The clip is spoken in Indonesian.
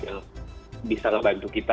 yang bisa membantu kita